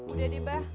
udah deh bah